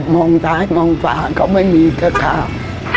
มองซ้ายมองฝาก็ไม่มีก็ข้าว